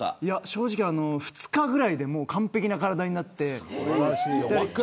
正直２日ぐらいで完璧な体になって。